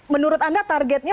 menurut anda targetnya